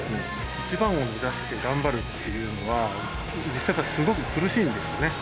１番を目指して頑張るっていうのは実際やっぱりすごく苦しいんですよね。